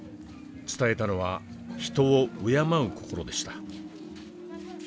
伝えたのは人を敬う心でした。